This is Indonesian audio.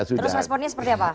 terus responnya seperti apa